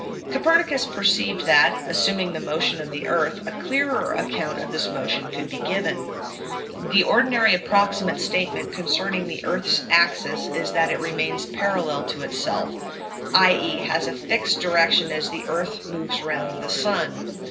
Copernicus perceived that, assuming the motion of the earth, a clearer account of this motion could be given. The ordinary approximate statement concerning the earth's axis is that it remains parallel to itself, i.e. has a fixed direction as the earth moves round the sun.